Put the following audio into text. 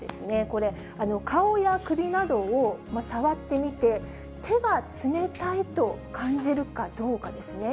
これ、顔や首などを触ってみて、手が冷たいと感じるかどうかですね。